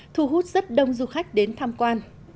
thu hút rất đông du khách đến tham quan